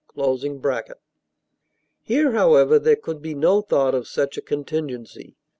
] Here, however, there could be no thought of such a contingency.